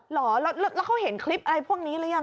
เหรอแล้วเขาเห็นคลิปอะไรพวกนี้หรือยัง